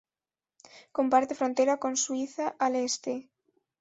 Comparte frontera con Suiza, al este.